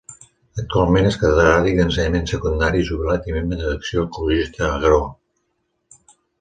Actualment és catedràtic d'ensenyament secundari jubilat i membre d'Acció ecologista-Agró.